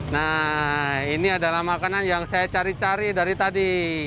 nah ini adalah makanan yang saya cari cari dari tadi